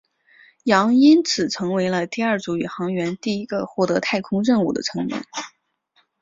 杨因此成为了第二组宇航员第一个获得太空任务的成员。